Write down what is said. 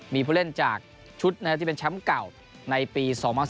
มีผู้เล่นจากชุดที่เป็นแชมป์เก่าในปี๒๐๑๙